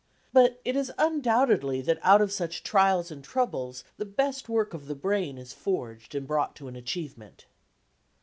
But it is undoubtedly that out of such trials and troubles the best work of the brain is forged and brought to an achievement.